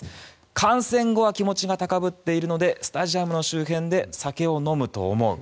観戦後は気持ちが高ぶっているのでスタジアムの周辺で酒を飲むと思う。